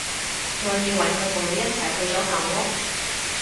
我以為佢同你一齊去咗舊屋